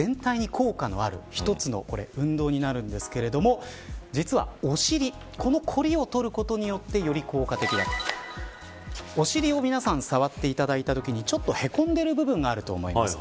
足全体に効果のある１つの運動になりますが実は、お尻のコリをとることによって、より効果的だとお尻を皆さん触っていただいたときに、ちょっとへこんでいるところがあると思います。